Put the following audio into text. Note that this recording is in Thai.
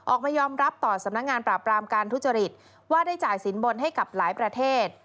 ออกมายอมรับต่อสำนักงานปราบรามการทุจริตว่าได้จ่ายสินบนให้กับหลายประเทศ